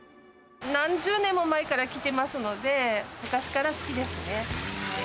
何十年も前から来てますので、昔から好きですね。